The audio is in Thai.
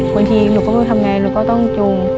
บางทีหนูก็ต้องทำไงหนูก็ต้องจูง